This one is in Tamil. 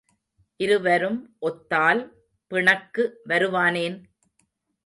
இருவரும் ஒத்தால் பிணக்கு வருவானேன்?